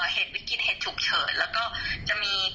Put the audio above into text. ก็คือคนเหล่านี้คือเขาเหนื่อยมาก